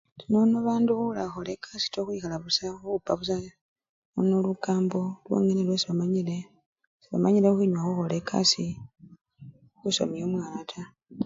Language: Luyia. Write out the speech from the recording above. Indi nono babandu khula khukhola ekasii taa khukhwikhala busa khukhupa nono lukambo lwongene lwesi bamanyile, sebamanyile khukhwinyukha khukhola ekasii khusomya omwana taa.